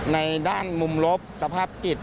ในด้านมุมลบสภาพจิต